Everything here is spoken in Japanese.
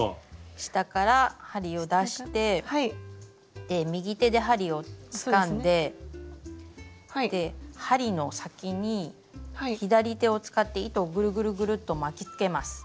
下から針を出して右手で針をつかんで針の先に左手を使って糸をぐるぐるぐると巻きつけます。